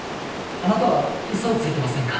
あなたは嘘をついてませんか？